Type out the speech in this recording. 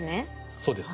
そうです。